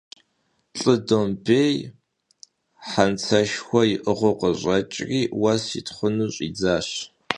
Lh'ı dombêy, hentseşşxue yi'ığıu, khış'eç'ri vues yitxhuu ş'idzaş.